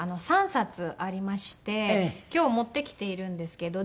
３冊ありまして今日持ってきているんですけど。